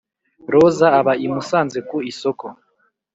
rosa aba i musanze ku isoko